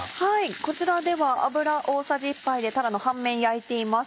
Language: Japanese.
こちらでは油大さじ１杯でたらの半面焼いています。